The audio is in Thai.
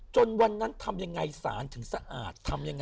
จนวันนั้นทำยังไงสารถึงสะอาด